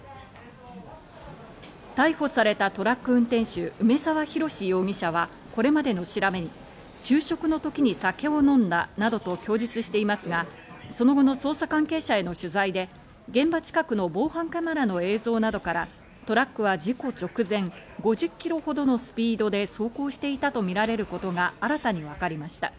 逮捕されたトラック運転手、梅沢洋容疑者はこれまでの調べで昼食の時に酒を飲んだなどと供述していますが、その後の捜査関係者への取材で、現場近くの防犯カメラの映像などからトラックは事故直前、５０キロほどのスピードで走行していたとみられることが新たに分かりました。